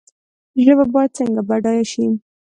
ژبه باید څنګه بډایه شي؟